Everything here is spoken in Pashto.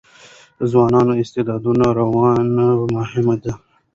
د ځوانو استعدادونو روزنه مهمه ده.